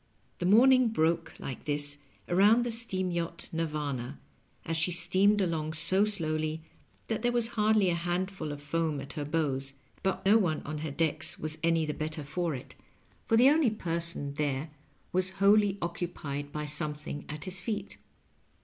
The morning broke like this around the steam yacht Ni/rvcma^ as she steamed along so slowly that there was hardly a handful of foam at her bows ; but no one on her decks was any the better for it, __ Digitized by VjOOQIC LOVE Am) UQSTNING. 197 for the only person there waB wholly occupied by some thing at his feet.